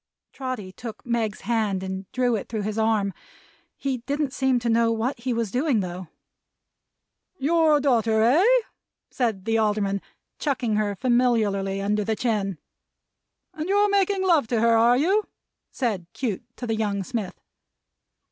Trotty took Meg's hand and drew it through his arm. He didn't seem to know what he was doing though. "Your daughter, eh?" said the Alderman, chucking her familiarly under the chin. "And you're making love to her, are you?" said Cute to the young smith.